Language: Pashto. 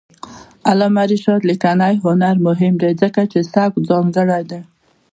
د علامه رشاد لیکنی هنر مهم دی ځکه چې سبک ځانګړی دی.